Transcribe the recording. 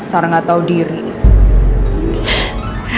saya ingin ceritakan ini dengan anda sendiri